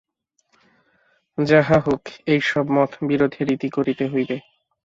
যাহা হউক, এই সব মত-বিরোধের ইতি করিতে হইবে।